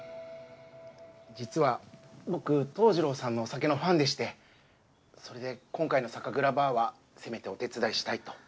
実は僕桃次郎さんのお酒のファンでしてそれで今回の酒蔵ＢＡＲはせめてお手伝いしたいと。